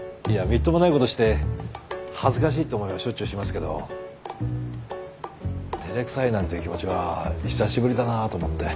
みっともないことして恥ずかしいって思いはしょっちゅうしますけど照れくさいなんていう気持ちは久しぶりだなと思って。